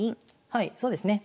はいそうですね。